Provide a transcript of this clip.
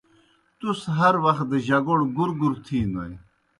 تُس ہر وخ دہ جگوڑ گُرگُر تِھینوئے۔